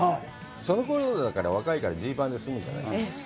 そのころだから、若いからジーパンですむじゃないですか。